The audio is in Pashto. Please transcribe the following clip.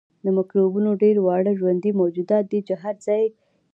میکروبونه ډیر واړه ژوندي موجودات دي چې هر ځای وي